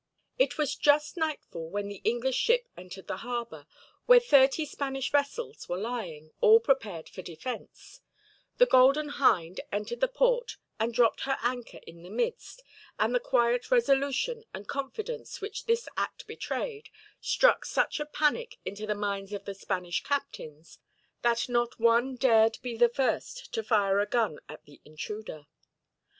It was just nightfall when the English ship entered the harbor, where thirty Spanish vessels were lying, all prepared for defense The Golden Hind entered the port and dropped her anchor in the midst; and the quiet resolution and confidence, which this act betrayed, struck such a panic into the minds of the Spanish captains, that not one dared be the first to fire a gun at the intruder.